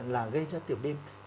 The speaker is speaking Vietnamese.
là gây ra tiểu đêm